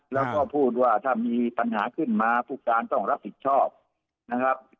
แล้วก็พูดว่าถ้ามีปัญหาขึ้นมาผู้การต้องรับผิดชอบนะครับ